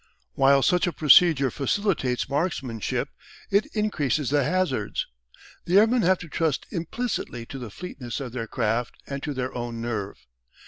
While such a procedure facilitates marksmanship it increases the hazards. The airmen have to trust implicitly to the fleetness of their craft and to their own nerve.